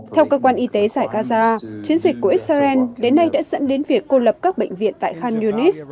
theo cơ quan y tế giải gaza chiến dịch của israel đến nay đã dẫn đến việc cô lập các bệnh viện tại khan yunis